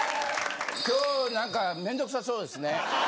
今日はなんか面倒くさそうですね。